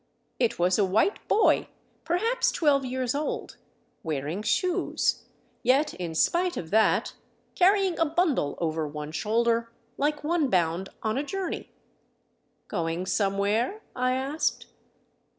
It was a white boy, perhaps twelve years old, wearing shoes, yet in spite of that carrying a bundle over one shoulder, like one bound on a journey. "Going somewhere?" I asked.